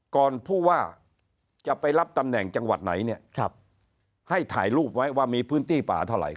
ผู้ว่าจะไปรับตำแหน่งจังหวัดไหนเนี่ยให้ถ่ายรูปไว้ว่ามีพื้นที่ป่าเท่าไหร่